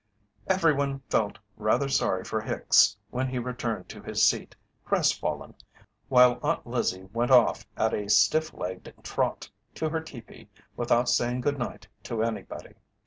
Everyone felt rather sorry for Hicks when he returned to his seat crestfallen while Aunt Lizzie went off at a stiff legged trot to her teepee without saying good night to anybody.